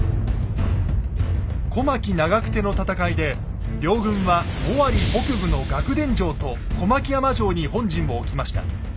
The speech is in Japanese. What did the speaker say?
小牧長久手の戦いで両軍は尾張北部の楽田城と小牧山城に本陣を置きました。